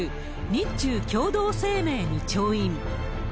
日中共同声明に調印。